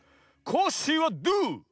コッシーはドゥ？